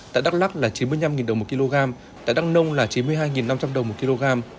tại đắk lắc là chín mươi năm đồng một kg tại đăng nông là chín mươi hai năm trăm linh đồng một kg